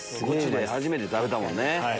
ゴチで初めて食べたもんね。